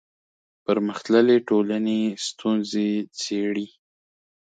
پرمختللې ټولنې ستونزې څېړي